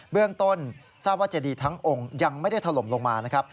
เรื่องต้นทราบว่าเจดีทั้งองค์ยังไม่ได้ถล่มลงมานะครับ